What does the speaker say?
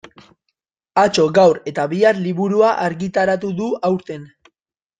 Atzo, gaur eta bihar liburua argitaratu du aurten.